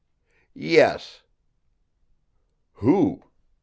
"Yes." "Who?"